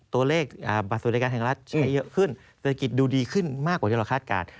ตัวเลขบัตรสวัสดิการแห่งรัฐใช้เยอะขึ้นเศรษฐกิจดูดีขึ้นมากกว่าที่เราคาดการณ์